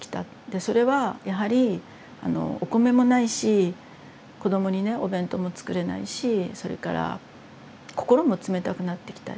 でそれはやはりお米もないし子どもにねお弁当も作れないしそれから心も冷たくなってきた。